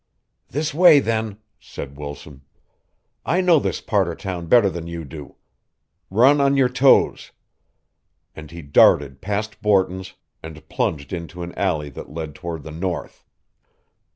"This way then," said Wilson. "I know this part of town better than you do. Run on your toes." And he darted past Borton's, and plunged into an alley that led toward the north.